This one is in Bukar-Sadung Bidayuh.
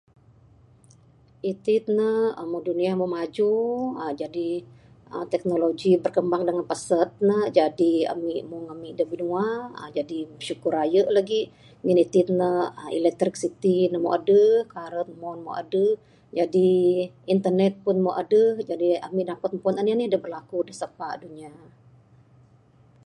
Itin ne, dunia meh maju uhh jadi uhh teknologi berkembang dengan peset ne, jadi ami meng ami da binua uhh jadi bisyukur raye lagi ngin itin ne aaa electric siti ne meh adeh karen meh adeh, jadi internet pun meh adeh jadi ami dapat puan anih da bilaku da sapa dunia.